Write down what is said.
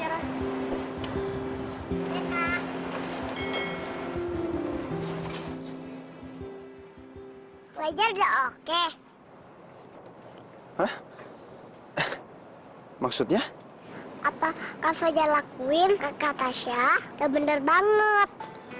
hai wajah oke hai hah maksudnya apa kau saja lakuin kata syah bener banget